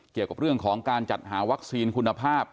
เกี่ยวกับเรื่องของการจัดหาวัคซีนคุณภาพ